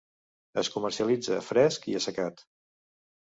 Es comercialitza fresc i assecat.